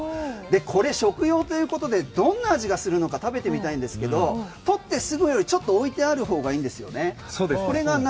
これ、食用ということでどんな味がするのか食べてみたいんですけど取ってすぐよりちょっと置いてある方がいいんですよね。